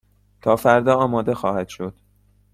تا فردا آماده خواهد شد.